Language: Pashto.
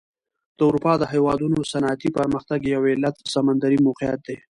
د اروپا د هېوادونو صنعتي پرمختګ یو علت سمندري موقعیت دی.